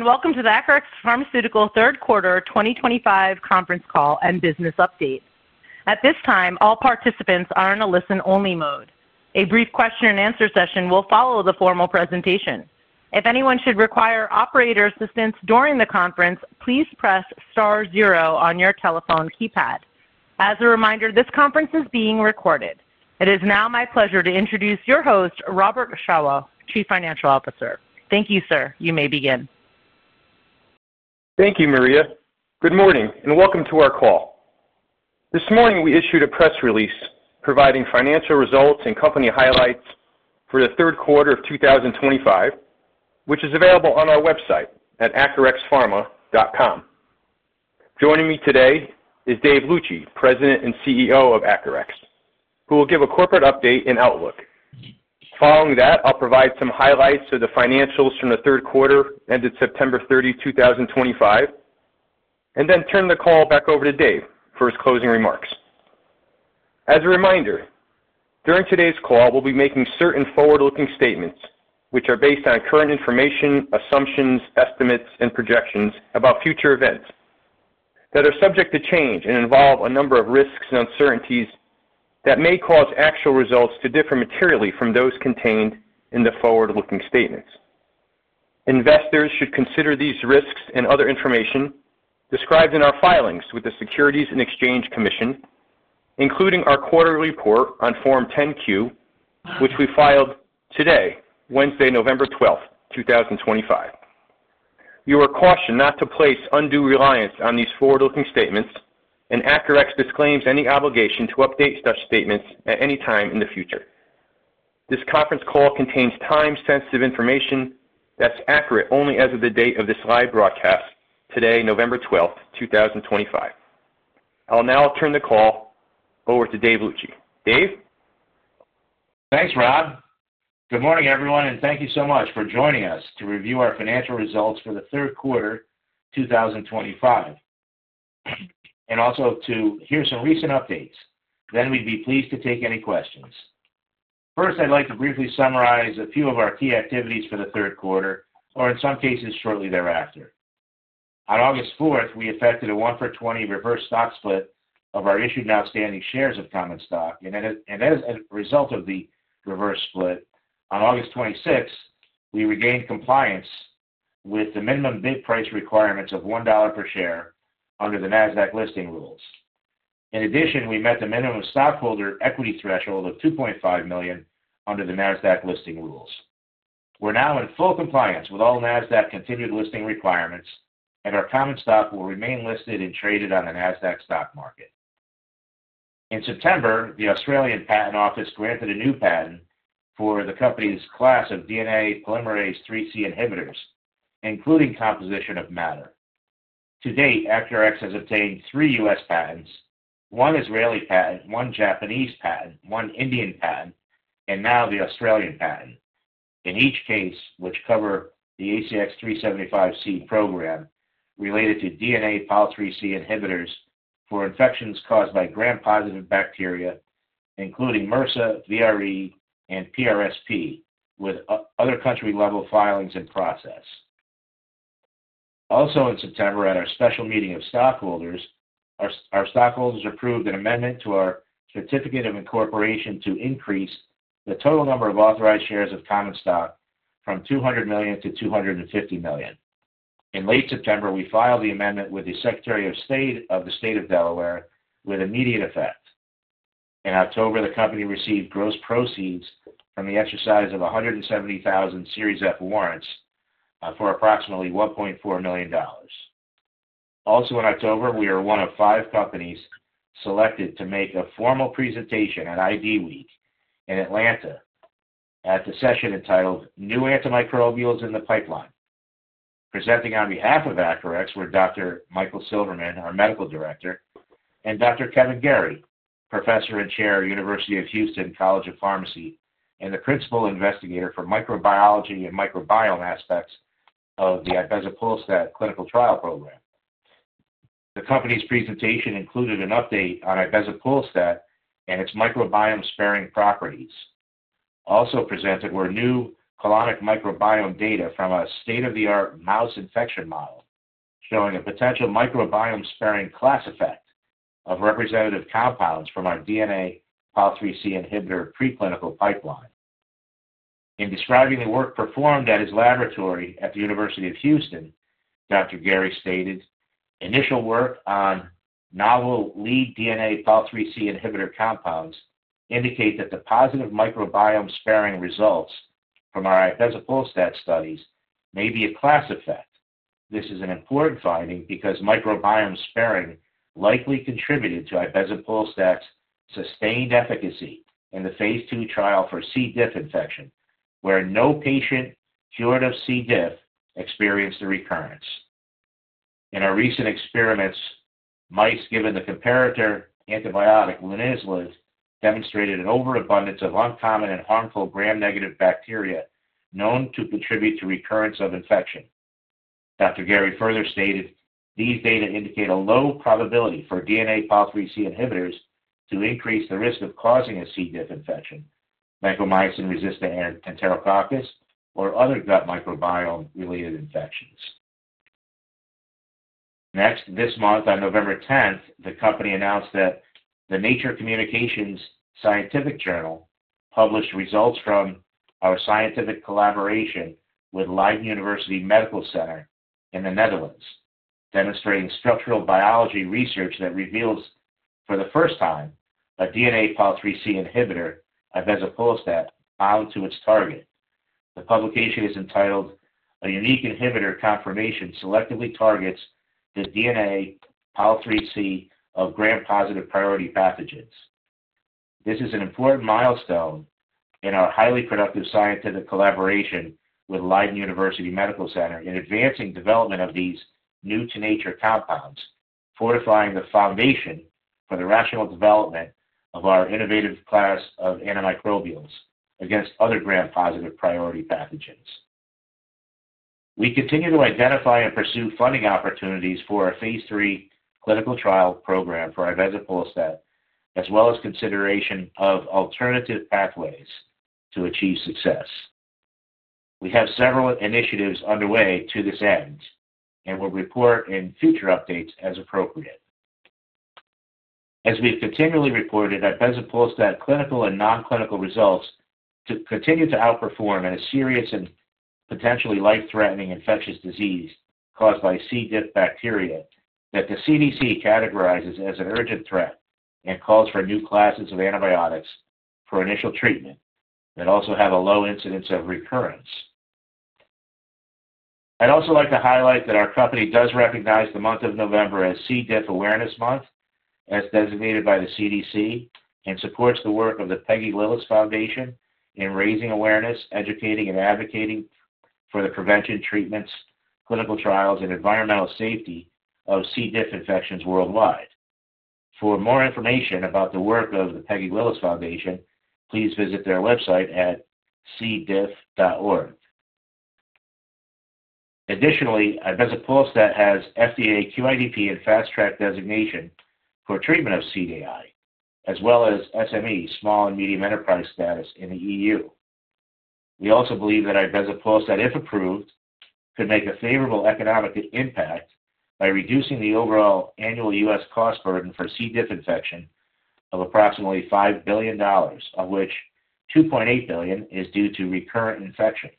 Welcome to the Acurx Pharmaceuticals' Third Quarter 2025 Conference Call and Business Update. At this time, all participants are in a listen-only mode. A brief question-and-answer session will follow the formal presentation. If anyone should require operator assistance during the conference, please press star zero on your telephone keypad. As a reminder, this conference is being recorded. It is now my pleasure to introduce your host, Robert Shawah, Chief Financial Officer. Thank you, sir. You may begin. Thank you, Maria. Good morning and welcome to our call. This morning, we issued a press release providing financial results and company highlights for the third quarter of 2025, which is available on our website at acurxpharma.com. Joining me today is Dave Luci, President and CEO of Acurx, who will give a corporate update and outlook. Following that, I'll provide some highlights of the financials from the third quarter ended September 30, 2025, and then turn the call back over to Dave for his closing remarks. As a reminder, during today's call, we'll be making certain forward-looking statements, which are based on current information, assumptions, estimates, and projections about future events that are subject to change and involve a number of risks and uncertainties that may cause actual results to differ materially from those contained in the forward-looking statements. Investors should consider these risks and other information described in our filings with the Securities and Exchange Commission, including our quarterly report on Form 10-Q, which we filed today, Wednesday, November 12, 2025. You are cautioned not to place undue reliance on these forward-looking statements, and Acurx disclaims any obligation to update such statements at any time in the future. This conference call contains time-sensitive information that's accurate only as of the date of this live broadcast today, November 12, 2025. I'll now turn the call over to Dave Luci. Dave? Thanks, Rob. Good morning, everyone, and thank you so much for joining us to review our financial results for the third quarter 2025, and also to hear some recent updates. We would be pleased to take any questions. First, I'd like to briefly summarize a few of our key activities for the third quarter, or in some cases, shortly thereafter. On August 4, we effected a 1-for-20 reverse stock split of our issued and outstanding shares of common stock, and as a result of the reverse split, on August 26, we regained compliance with the minimum bid price requirements of $1 per share under the NASDAQ listing rules. In addition, we met the minimum stockholder equity threshold of $2.5 million under the NASDAQ listing rules. We're now in full compliance with all NASDAQ continued listing requirements, and our common stock will remain listed and traded on the NASDAQ stock market. In September, the Australian Patent Office granted a new patent for the company's class of DNA polymerase IIIC inhibitors, including composition of matter. To date, Acurx has obtained three U.S. patents: one Israeli patent, one Japanese patent, one Indian patent, and now the Australian patent, in each case which cover the ACX-375C program related to DNA polymerase IIIC inhibitors for infections caused by gram-positive bacteria, including MRSA, VRE, and PRSP, with other country-level filings in process. Also, in September, at our special meeting of stockholders, our stockholders approved an amendment to our certificate of incorporation to increase the total number of authorized shares of common stock from 200 million to 250 million. In late September, we filed the amendment with the Secretary of State of the State of Delaware with immediate effect. In October, the company received gross proceeds from the exercise of 170,000 Series F warrants for approximately $1.4 million. Also, in October, we are one of five companies selected to make a formal presentation at IDWeek in Atlanta at the session entitled "New Antimicrobials in the Pipeline." Presenting on behalf of Acurx were Dr. Michael Silverman, our Medical Director, and Dr. Kevin Garry, Professor and Chair of University of Houston College of Pharmacy and the Principal Investigator for Microbiology and Microbiome Aspects of the ibezapolstat clinical trial program. The company's presentation included an update on ibezapolstat and its microbiome-sparing properties. Also presented were new colonic microbiome data from a state-of-the-art mouse infection model showing a potential microbiome-sparing class effect of representative compounds from our DNA polymerase IIIC inhibitor preclinical pipeline. In describing the work performed at his laboratory at the University of Houston, Dr. Garry stated, "Initial work on novel lead DNA polymerase IIIC inhibitor compounds indicates that the positive microbiome-sparing results from our ibezapolstat studies may be a class effect. This is an important finding because microbiome-sparing likely contributed to ibezapolstat's sustained efficacy in the phase II trial for C. diff infection, where no patient cured of C. diff experienced a recurrence. In our recent experiments, mice given the comparator antibiotic linezolid demonstrated an overabundance of uncommon and harmful gram-negative bacteria known to contribute to recurrence of infection. Dr. Garry further stated, 'These data indicate a low probability for DNA polymerase IIIC inhibitors to increase the risk of causing a C. diff infection, vancomycin-resistant Enterococci, or other gut microbiome-related infections. Next, this month, on November 10, the company announced that the Nature Communications scientific journal published results from our scientific collaboration with Leiden University Medical Center in the Netherlands, demonstrating structural biology research that reveals, for the first time, a DNA polymerase IIIC inhibitor, ibezapolstat, bound to its target. The publication is entitled, "A unique inhibitor conformation selectively targets the DNA polymerase IIIC of gram-positive priority pathogens." This is an important milestone in our highly productive scientific collaboration with Leiden University Medical Center in advancing development of these new-to-nature compounds, fortifying the foundation for the rational development of our innovative class of antimicrobials against other gram-positive priority pathogens. We continue to identify and pursue funding opportunities for a phase three clinical trial program for ibezapolstat, as well as consideration of alternative pathways to achieve success. We have several initiatives underway to this end, and we'll report in future updates as appropriate. As we've continually reported, ibezapolstat clinical and non-clinical results continue to outperform in a serious and potentially life-threatening infectious disease caused by C. diff bacteria that the CDC categorizes as an urgent threat and calls for new classes of antibiotics for initial treatment that also have a low incidence of recurrence. I'd also like to highlight that our company does recognize the month of November as C. diff Awareness Month, as designated by the CDC, and supports the work of the Peggy Lillis Foundation in raising awareness, educating, and advocating for the prevention, treatments, clinical trials, and environmental safety of C. diff infections worldwide. For more information about the work of the Peggy Lillis Foundation, please visit their website at cdiff.org. Additionally, ibezapolstat has FDA QIDP and Fast Track designation for treatment of C. diff, as well as SME, small and medium enterprise status in the EU. We also believe that ibezapolstat, if approved, could make a favorable economic impact by reducing the overall annual U.S. cost burden for C. diff infection of approximately $5 billion, of which $2.8 billion is due to recurrent infection.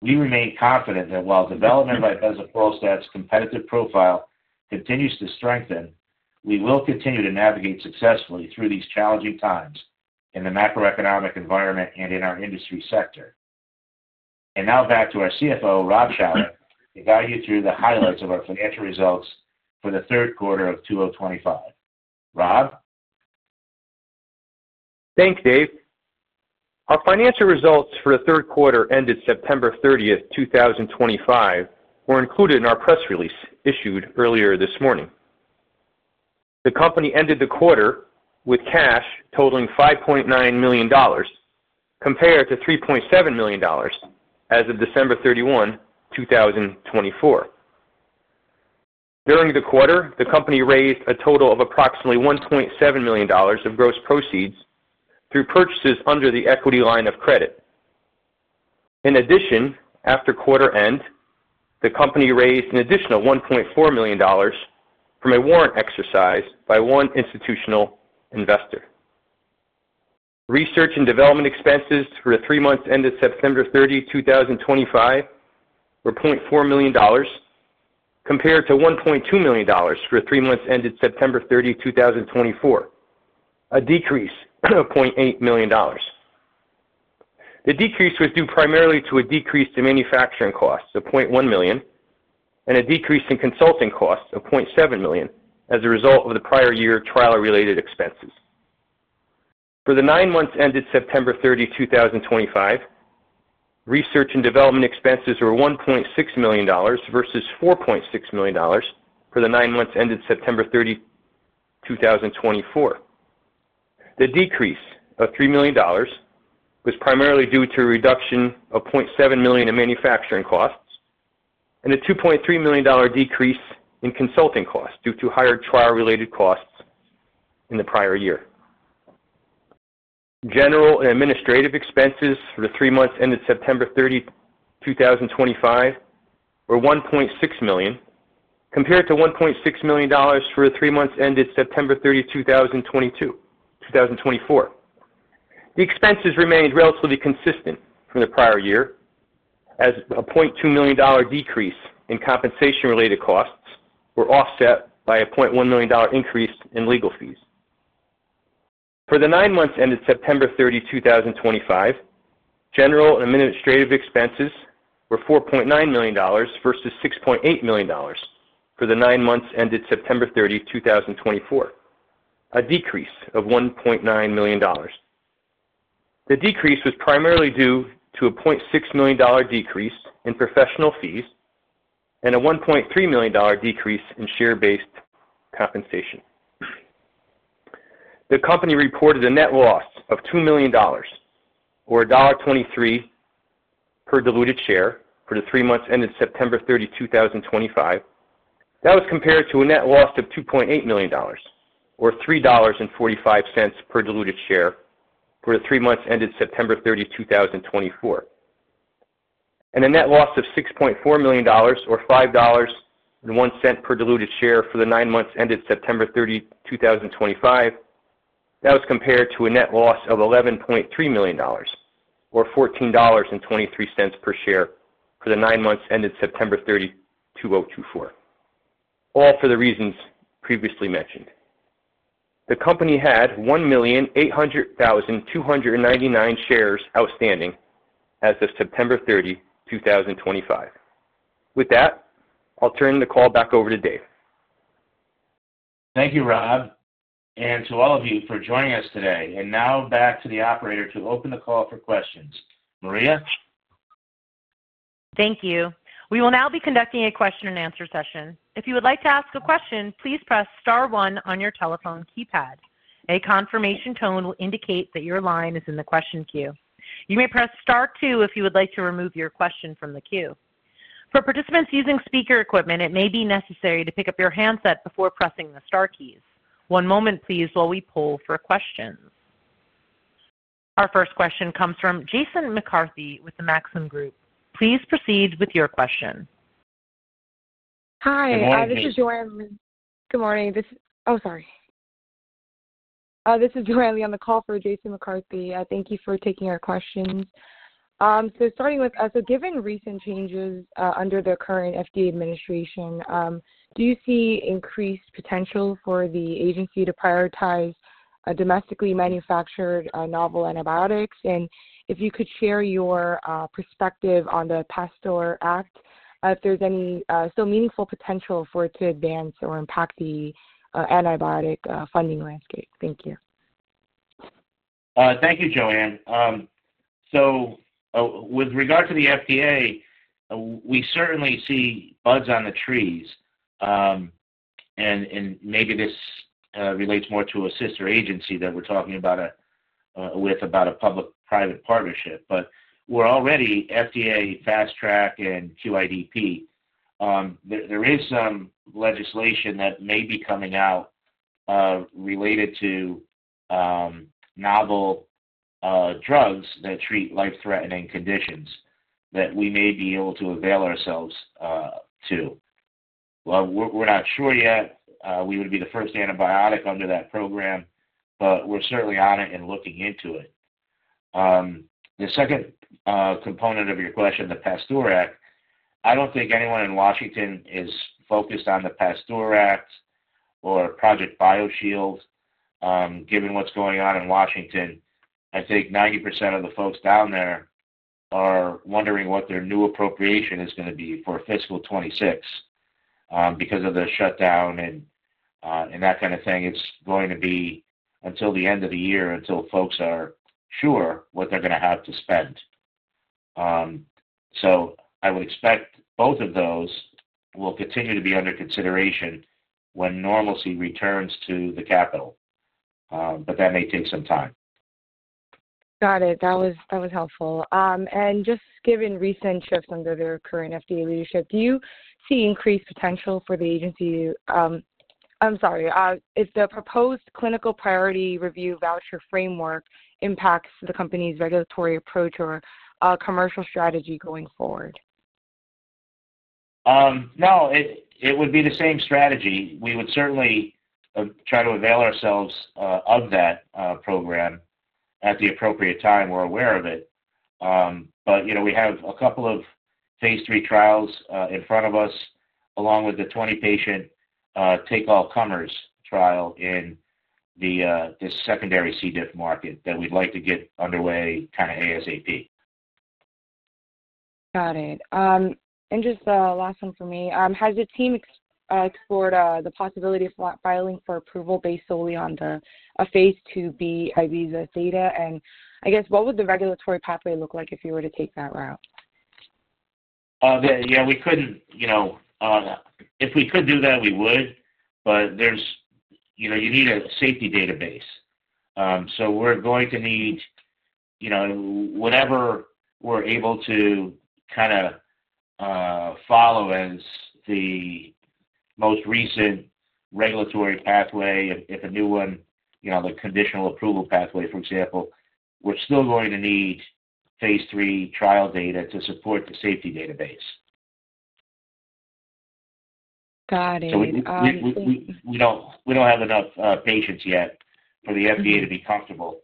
We remain confident that while development of ibezapolstat's competitive profile continues to strengthen, we will continue to navigate successfully through these challenging times in the macroeconomic environment and in our industry sector. Now back to our CFO, Rob Shawah, to guide you through the highlights of our financial results for the third quarter of 2025. Rob? Thanks, Dave. Our financial results for the third quarter ended September 30, 2025, were included in our press release issued earlier this morning. The company ended the quarter with cash totaling $5.9 million, compared to $3.7 million as of December 31, 2024. During the quarter, the company raised a total of approximately $1.7 million of gross proceeds through purchases under the equity line of credit. In addition, after quarter end, the company raised an additional $1.4 million from a warrant exercise by one institutional investor. Research and development expenses for the three months ended September 30, 2025, were $0.4 million, compared to $1.2 million for the three months ended September 30, 2024, a decrease of $0.8 million. The decrease was due primarily to a decrease in manufacturing costs of $0.1 million and a decrease in consulting costs of $0.7 million as a result of the prior year trial-related expenses. For the nine months ended September 30, 2025, research and development expenses were $1.6 million versus $4.6 million for the nine months ended September 30, 2024. The decrease of $3 million was primarily due to a reduction of $0.7 million in manufacturing costs and a $2.3 million decrease in consulting costs due to higher trial-related costs in the prior year. General and administrative expenses for the three months ended September 30, 2025, were $1.6 million, compared to $1.6 million for the three months ended September 30, 2024. The expenses remained relatively consistent from the prior year, as a $0.2 million decrease in compensation-related costs were offset by a $0.1 million increase in legal fees. For the nine months ended September 30, 2025, general and administrative expenses were $4.9 million versus $6.8 million for the nine months ended September 30, 2024, a decrease of $1.9 million. The decrease was primarily due to a $0.6 million decrease in professional fees and a $1.3 million decrease in share-based compensation. The company reported a net loss of $2 million, or $1.23 per diluted share for the three months ended September 30, 2025. That was compared to a net loss of $2.8 million, or $3.45 per diluted share for the three months ended September 30, 2024. A net loss of $6.4 million, or $5.01 per diluted share for the nine months ended September 30, 2025, that was compared to a net loss of $11.3 million, or $14.23 per share for the nine months ended September 30, 2024, all for the reasons previously mentioned. The company had 1,800,299 shares outstanding as of September 30, 2025. With that, I'll turn the call back over to Dave. Thank you, Rob. And to all of you for joining us today. Now back to the operator to open the call for questions. Maria? Thank you. We will now be conducting a question-and-answer session. If you would like to ask a question, please press Star 1 on your telephone keypad. A confirmation tone will indicate that your line is in the question queue. You may press Star 2 if you would like to remove your question from the queue. For participants using speaker equipment, it may be necessary to pick up your handset before pressing the Star keys. One moment, please, while we poll for questions. Our first question comes from Jason McCarthy with Maxim Group. Please proceed with your question. Hi. This is Joanne Lee. Good morning. Oh, sorry. This is Joanne Lee on the call for Jason McCarthy. Thank you for taking our questions. Starting with, given recent changes under the current FDA administration, do you see increased potential for the agency to prioritize domestically manufactured novel antibiotics? If you could share your perspective on the PASTOR Act, if there is any still meaningful potential for it to advance or impact the antibiotic funding landscape. Thank you. Thank you, Joanne. So with regard to the FDA, we certainly see buds on the trees. Maybe this relates more to a sister agency that we're talking about with a public-private partnership. We're already FDA, Fast Track, and QIDP. There is some legislation that may be coming out related to novel drugs that treat life-threatening conditions that we may be able to avail ourselves to. We're not sure yet. We would be the first antibiotic under that program, but we're certainly on it and looking into it. The second component of your question, the PASTOR Act, I don't think anyone in Washington is focused on the PASTOR Act or Project BioShield. Given what's going on in Washington, I think 90% of the folks down there are wondering what their new appropriation is going to be for fiscal 2026 because of the shutdown and that kind of thing. It's going to be until the end of the year until folks are sure what they're going to have to spend. I would expect both of those will continue to be under consideration when normalcy returns to the capital. That may take some time. Got it. That was helpful. And just given recent shifts under the current FDA leadership, do you see increased potential for the agency? I'm sorry. Does the proposed clinical priority review voucher framework impact the company's regulatory approach or commercial strategy going forward? No. It would be the same strategy. We would certainly try to avail ourselves of that program at the appropriate time. We're aware of it. We have a couple of phase three trials in front of us, along with the 20-patient take-all-comers trial in the secondary C. diff market that we'd like to get underway kind of ASAP. Got it. And just the last one for me. Has the team explored the possibility of filing for approval based solely on the phase two ibezapolstat data? And I guess, what would the regulatory pathway look like if you were to take that route? Yeah. We couldn't. If we could do that, we would. You need a safety database. We're going to need whatever we're able to kind of follow as the most recent regulatory pathway. If a new one, the conditional approval pathway, for example, we're still going to need phase III trial data to support the safety database. Got it. We don't have enough patients yet for the FDA to be comfortable.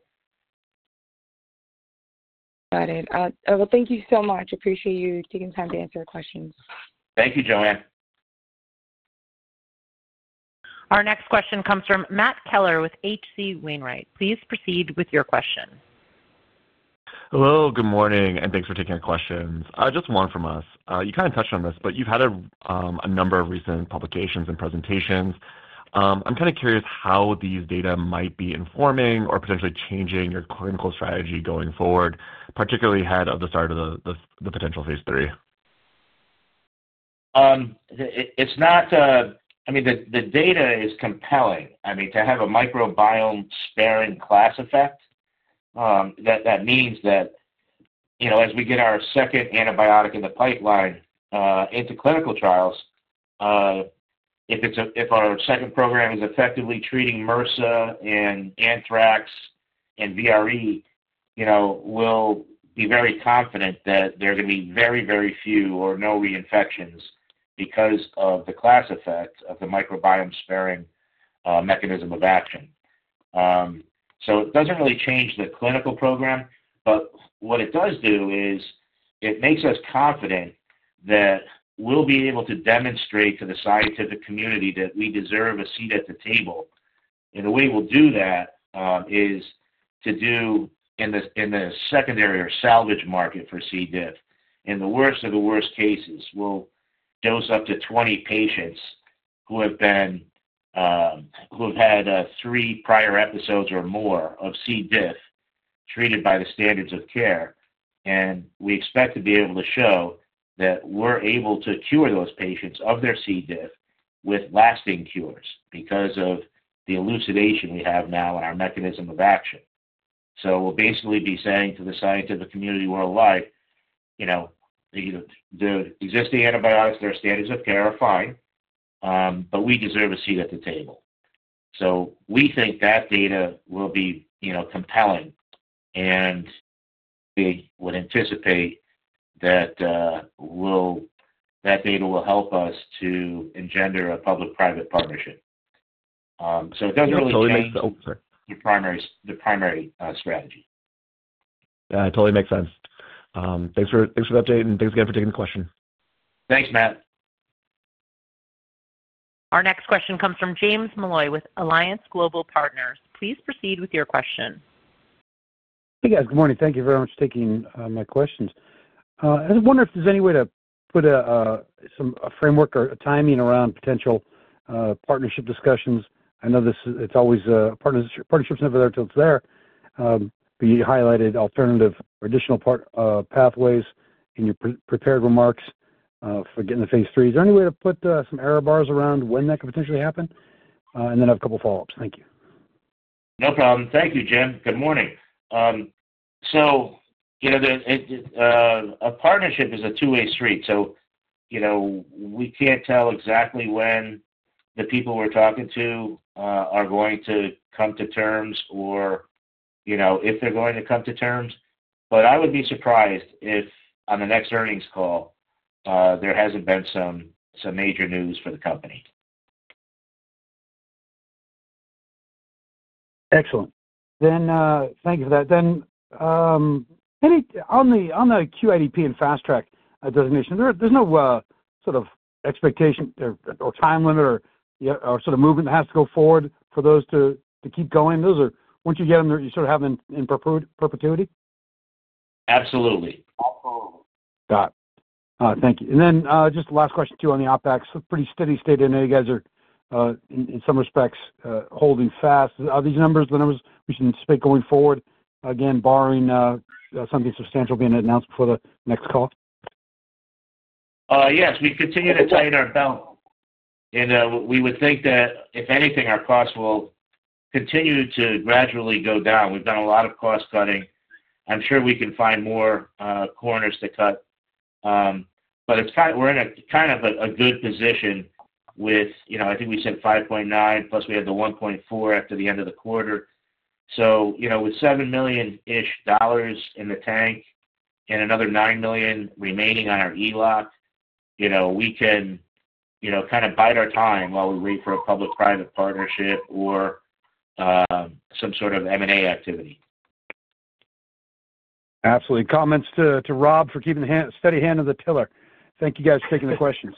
Got it. Thank you so much. Appreciate you taking the time to answer our questions. Thank you, Joanne. Our next question comes from Matt Keller with H.C. Wainwright. Please proceed with your question. Hello. Good morning. Thanks for taking our questions. Just one from us. You kind of touched on this, but you've had a number of recent publications and presentations. I'm kind of curious how these data might be informing or potentially changing your clinical strategy going forward, particularly ahead of the start of the potential phase III. I mean, the data is compelling. I mean, to have a microbiome-sparing class effect, that means that as we get our second antibiotic in the pipeline into clinical trials, if our second program is effectively treating MRSA and anthrax and VRE, we'll be very confident that there are going to be very, very few or no reinfections because of the class effect of the microbiome-sparing mechanism of action. It doesn't really change the clinical program. What it does do is it makes us confident that we'll be able to demonstrate to the scientific community that we deserve a seat at the table. The way we'll do that is to do in the secondary or salvage market for C. diff. In the worst of the worst cases, we'll dose up to 20 patients who have had three prior episodes or more of C. diff treated by the standards of care. We expect to be able to show that we're able to cure those patients of their C. diff with lasting cures because of the elucidation we have now in our mechanism of action. We'll basically be saying to the scientific community worldwide, "The existing antibiotics that are standards of care are fine, but we deserve a seat at the table." We think that data will be compelling. We would anticipate that data will help us to engender a public-private partnership. It doesn't really change your primary strategy. Yeah. It totally makes sense. Thanks for the update. Thanks again for taking the question. Thanks, Matt. Our next question comes from James Molloy with Alliance Global Partners. Please proceed with your question. Hey, guys. Good morning. Thank you very much for taking my questions. I wonder if there's any way to put a framework or a timing around potential partnership discussions. I know it's always partnerships never there until it's there. You highlighted alternative or additional pathways in your prepared remarks for getting to phase III. Is there any way to put some error bars around when that could potentially happen? I have a couple of follow-ups. Thank you. No problem. Thank you, Jim. Good morning. A partnership is a two-way street. We can't tell exactly when the people we're talking to are going to come to terms or if they're going to come to terms. I would be surprised if on the next earnings call, there hasn't been some major news for the company. Excellent. Thank you for that. On the QIDP and Fast Track designation, there's no sort of expectation or time limit or sort of movement that has to go forward for those to keep going? Once you get them, you sort of have them in perpetuity? Absolutely. Got it. Thank you. And then just the last question too on the OpEx. Pretty steady state right now. You guys are, in some respects, holding fast. Are these numbers the numbers we should anticipate going forward, again, barring something substantial being announced before the next call? Yes. We continue to tighten our belt. We would think that, if anything, our costs will continue to gradually go down. We've done a lot of cost cutting. I'm sure we can find more corners to cut. We're in kind of a good position with, I think we said $5.9 million, plus we had the $1.4 million after the end of the quarter. With $7 million-ish in the tank and another $9 million remaining on our ELOC, we can kind of bide our time while we wait for a public-private partnership or some sort of M&A activity. Absolutely. Comments to Rob for keeping the steady hand of the tiller. Thank you, guys, for taking the questions.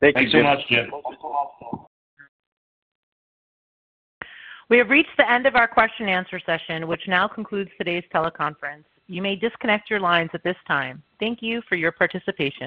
Thank you so much, James. We have reached the end of our question-and-answer session, which now concludes today's teleconference. You may disconnect your lines at this time. Thank you for your participation.